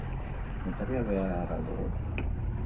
Notarioa behar al dugu?